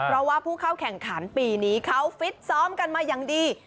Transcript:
เพราะว่าผู้เข้าแข่งขันปีนี้เขาฟิตซ้อมกันมาอย่างดี